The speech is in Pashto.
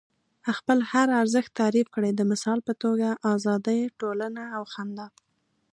خپل هر ارزښت تعریف کړئ. د مثال په توګه ازادي، ټولنه او خندا.